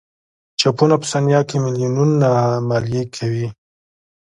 چپونه په ثانیه کې میلیونونه عملیې کوي.